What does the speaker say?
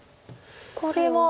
これは。